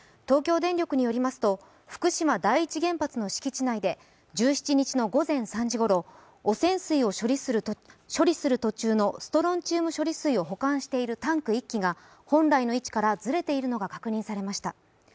東京電力によりますと福島第一原発の敷地内で１７日の午前３時ごろ、汚染水を処理する途中のストロンチウム処理水を保管しているタンク１基が本来の位置からずれていることが分かりました。